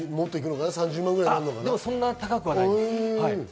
そんな高くはないです。